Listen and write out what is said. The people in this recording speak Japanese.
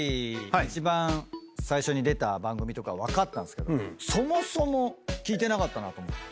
一番最初に出た番組とか分かったんですけどそもそも聞いてなかったなと思って。